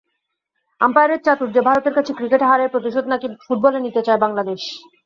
আম্পায়ারের চাতুর্যে ভারতের কাছে ক্রিকেটে হারের প্রতিশোধ নাকি ফুটবলে নিতে চায় বাংলাদেশ।